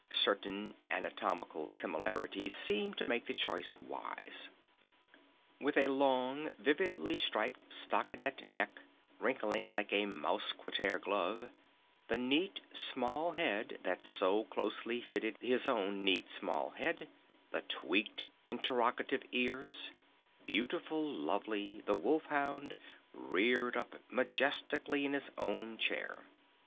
Certain anatomical similarities seemed to make the choice wise. With a long vividly striped stockinet neck wrinkling like a mousquetaire glove, the neat small head that so closely fitted his own neat small head, the tweaked, interrogative ears, Beautiful Lovely, the Wolf Hound, reared up majestically in his own chair.